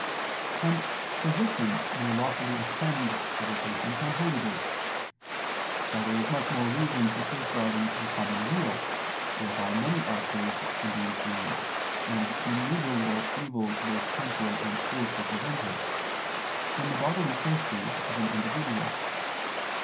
Hence physicians may lawfully attend to their patients on holy days. Now there is much more reason for safeguarding the common weal (whereby many are saved from being slain, and innumerable evils both temporal and spiritual prevented), than the bodily safety of an individual.